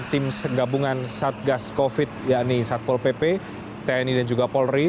tim gabungan satgas covid yakni satpol pp tni dan juga polri